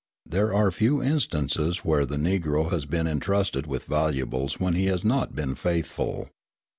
There are few instances where the Negro has been entrusted with valuables when he has not been faithful.